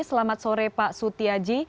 selamat sore pak sutiaji